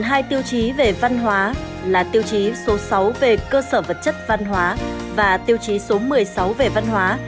hai tiêu chí về văn hóa là tiêu chí số sáu về cơ sở vật chất văn hóa và tiêu chí số một mươi sáu về văn hóa